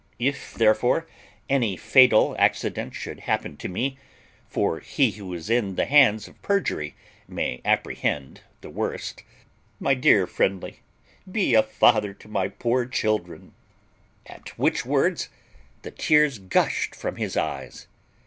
If, therefore, any fatal accident should happen to me (for he who is in the hands of perjury may apprehend the worst), my dear Friendly, be a father to my poor children;" at which words the tears gushed from his eyes.